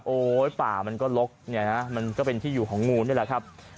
ป่ามันก็ลกเนี่ยนะมันก็เป็นที่อยู่ของงูนี่แหละครับ